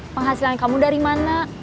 penghasilan kamu dari mana